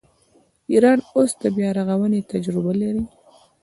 ایران اوس د بیارغونې تجربه لري.